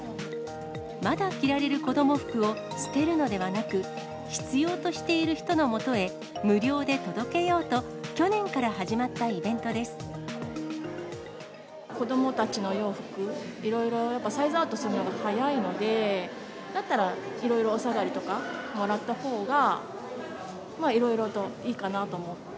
まだ着られる子ども服を捨てるのではなく、必要としている人のもとへ、無料で届けようと、子どもたちの洋服、いろいろやっぱサイズアウトするのが早いので、だったらいろいろお下がりとかもらったほうが、いろいろといいかなと思って。